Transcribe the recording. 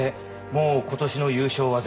もう今年の優勝は絶望」